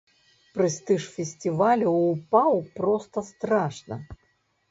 Прэстыж фестывалю ўпаў проста страшна.